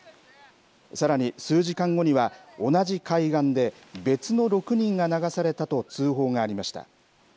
さらに数時間後には同じ海岸で、別の６人が流されたと通報がありました。